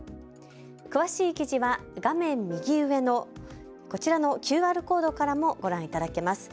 詳しい記事は画面右上のこちらのＱＲコードからもご覧いただけます。